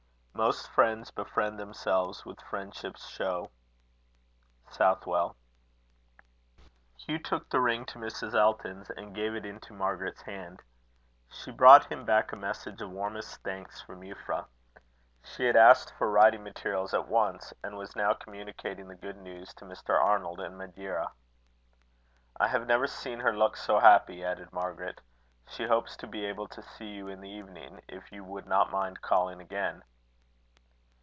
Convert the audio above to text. Most friends befriend themselves with friendship's show. SOUTHWELL. Hugh took the ring to Mrs. Elton's, and gave it into Margaret's hand. She brought him back a message of warmest thanks from Euphra. She had asked for writing materials at once, and was now communicating the good news to Mr. Arnold, in Madeira. "I have never seen her look so happy," added Margaret. "She hopes to be able to see you in the evening, if you would not mind calling again."